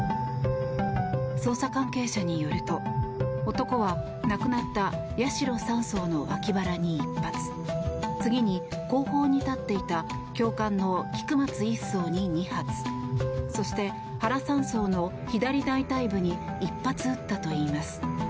捜査関係者によると、男は亡くなった八代３曹の脇腹に１発次に、後方に立っていた教官の菊松１曹に２発そして原３曹の左大腿部に１発撃ったといいます。